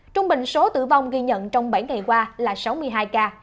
trung bình số tử vong ghi nhận trong bảy ngày qua là sáu mươi hai ca